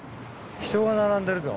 人が並んでるぞ。